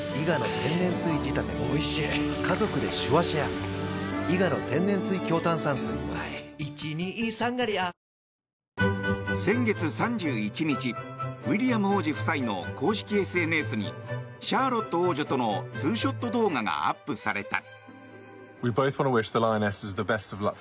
ウィリアム王子夫妻の公式ＳＮＳに先月３１日ウィリアム王子夫妻の公式ＳＮＳにシャーロット王女とのツーショット動画がアップされた。